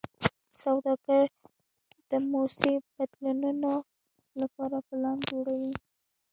سوداګر د موسمي بدلونونو لپاره پلان جوړوي.